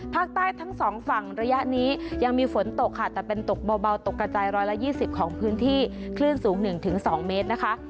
ภาคใต้ทั้งสองฝั่งระยะนี้ยังมีฝนตกค่ะแต่เป็นตกเบาตกกระจาย๑๒๐ของพื้นที่คลื่นสูง๑๒เมตรนะคะ